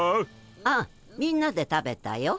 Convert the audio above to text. ああみんなで食べたよ。